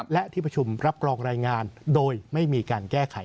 และที่ประชุมรับรองรายงานโดยไม่มีการแก้ไข